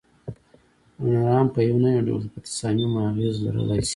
ډونران په یو نه یو ډول په تصامیمو اغیز لرلای شي.